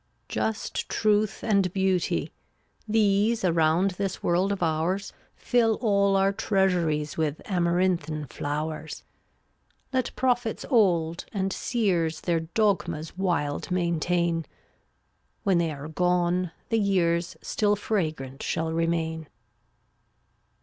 eun<$ Just truth and beauty — these, Around this world of ours, Fill all our treasuries With amaranthine flowers. Let prophets old, and seers, Their dogmas wild maintain; When they are gone, the years Still fragrant shall remain.